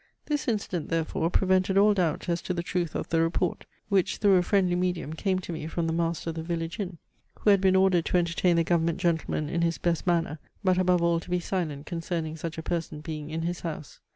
This incident therefore prevented all doubt as to the truth of the report, which through a friendly medium came to me from the master of the village inn, who had been ordered to entertain the Government gentleman in his best manner, but above all to be silent concerning such a person being in his house.